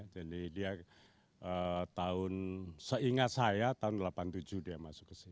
jadi dia tahun seingat saya tahun seribu sembilan ratus delapan puluh tujuh dia masuk ke sini